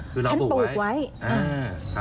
ขึ้นไปเราปลูกไว้ครับ